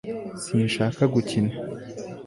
sinshaka gukina